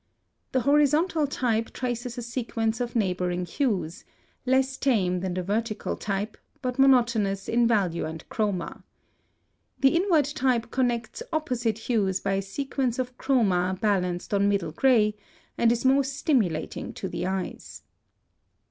The horizontal type traces a sequence of neighboring hues, less tame than the vertical type, but monotonous in value and chroma. The inward type connects opposite hues by a sequence of chroma balanced on middle gray, and is more stimulating to the eyes.